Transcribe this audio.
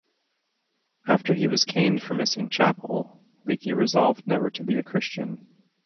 After he was caned for missing chapel, Leakey resolved never to be a Christian.